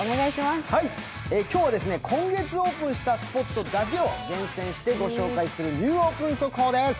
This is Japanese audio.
今日は今月オープンしたスポットだけを厳選してお送りするニューオープン速報です。